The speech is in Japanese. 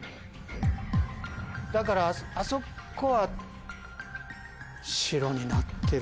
だからあそこは白になってる。